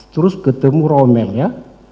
terus ketemu romer ya